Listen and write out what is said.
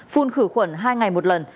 phun khử khuẩn hai ngày một lần